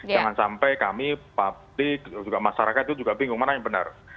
jangan sampai kami publik juga masyarakat itu juga bingung mana yang benar